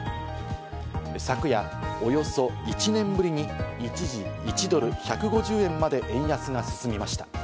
昨夜、およそ１年ぶりに一時１ドル＝１５０円まで円安が進みました。